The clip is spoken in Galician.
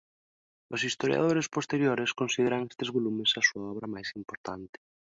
Os historiadores posteriores consideran estes volumes a súa obra máis importante.